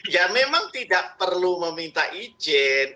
ya memang tidak perlu meminta izin